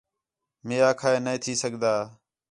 مئے آکھا ہِے نَے تھی سڳدا